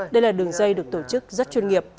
đây là đường dây được tổ chức rất chuyên nghiệp